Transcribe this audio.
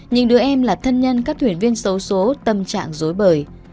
những đứa em là thân nhân các thuyền viên xấu xố tâm trạng dối bời